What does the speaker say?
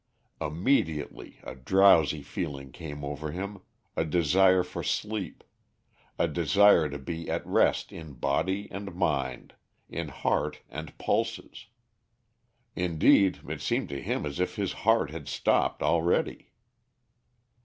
Immediately a drowsy feeling came over him, a desire for sleep, a desire to be at rest in body and mind, in heart and pulses. Indeed, it seemed to him as if his heart had stopped already.